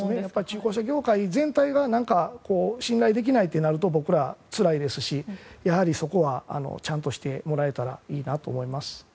中古車業界全体が信頼できないとなると僕ら、つらいですしやはりそこはちゃんとしてもらえたらいいなと思います。